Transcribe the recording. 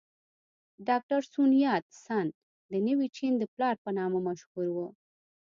ډاکټر سون یات سن د نوي چین د پلار په نامه مشهور و.